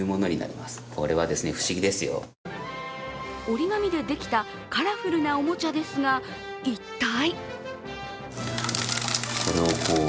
折り紙でできたカラフルなおもちゃですが、一体？